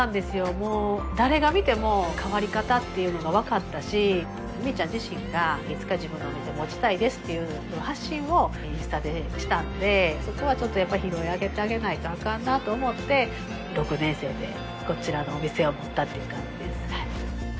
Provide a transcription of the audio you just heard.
もう誰が見ても変わり方っていうのが分かったしみいちゃん自身がいつか自分のお店持ちたいですっていう発信をインスタでしたんでそこはちょっとやっぱ拾い上げてあげないとあかんなと思って６年生でこちらのお店を持ったっていう感じです